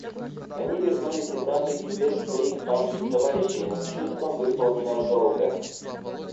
Они вернулись из Африки без своих павших товарищей, но с чувством выполненного долга.